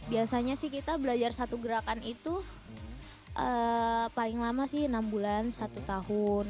biasanya sih kita belajar satu gerakan itu paling lama sih enam bulan satu tahun